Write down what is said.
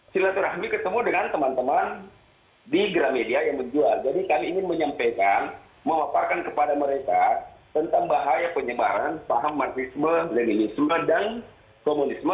silaturahmi ketemu dengan teman teman di gramedia yang menjual jadi kami ingin menyampaikan memaparkan kepada mereka tentang bahaya penyebaran paham marxisme leninisme dan komunisme